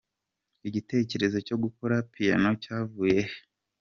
Igitekerezo cyo gukora piano cyavuye he?.